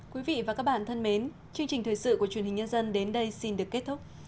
quý vị và các bạn thân mến chương trình thời sự của truyền hình nhân dân đến đây xin được kết thúc